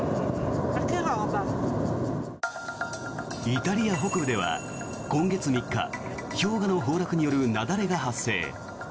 イタリア北部では、今月３日氷河の崩落による雪崩が発生。